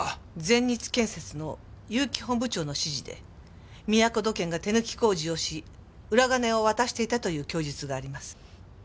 全日建設の悠木本部長の指示でみやこ土建が手抜き工事をし裏金を渡していたという供述があります。